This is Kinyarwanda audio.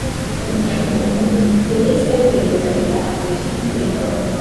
ministre w’imirimo ya leta akoresheje iteka